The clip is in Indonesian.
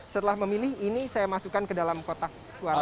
setelah memilih ini saya masukkan ke dalam kotak suara